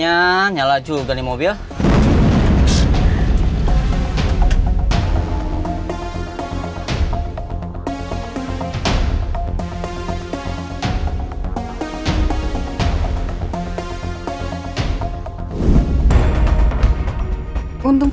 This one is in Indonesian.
ya allah gue nggak bawa uang